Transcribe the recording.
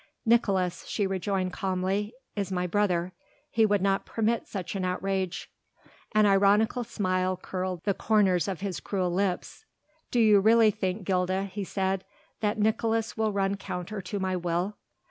"Nicolaes," she rejoined calmly, "is my brother he would not permit such an outrage." An ironical smile curled the corners of his cruel lips. "Do you really think, Gilda," he said, "that Nicolaes will run counter to my will?